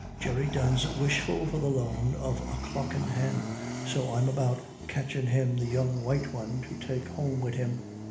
Jerry Dunne's wishful for the loan of a clockin' hin, so I'm about catchin' him the young white one to take home wid him."